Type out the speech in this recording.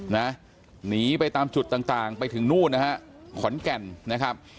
หนีไปตามจุดต่างต่างไปถึงนู่นนะฮะขอนแก่นนะครับ